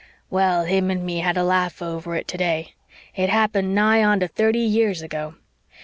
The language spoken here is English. "Well, him and me had a laugh over it today. It happened nigh unto thirty years ago.